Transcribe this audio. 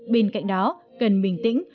bên cạnh đó cần bình tĩnh